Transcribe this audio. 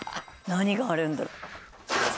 何があるんだろう？